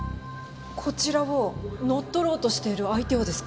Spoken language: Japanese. こちらを乗っ取ろうとしている相手をですか？